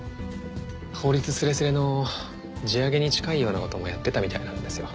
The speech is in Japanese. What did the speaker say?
法律スレスレの地上げに近いような事もやってたみたいなんですよ。